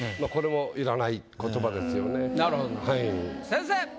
先生！